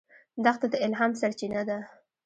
دښته د الهام سرچینه ده.